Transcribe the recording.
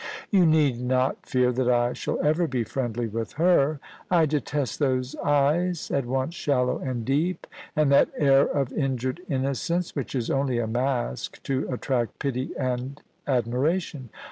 * You need not fear that I shall ever be friendly with her. I detest those eyes, at once shallow and deep, and that air of injured innocence, which is only a mask to attract pity and admiration.